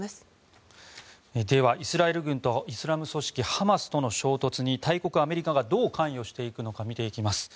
ではイスラエル軍とイスラム組織ハマスとの衝突に大国アメリカがどう関与していくのか見ていきます。